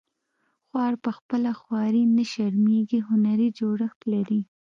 خوار په خپله خواري نه شرمیږي هنري جوړښت لري